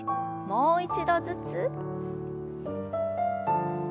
もう一度ずつ。